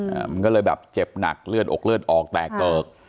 มันก็เลยแบบเจ็บหนักเลือดอกเลือดออกแตกเกิก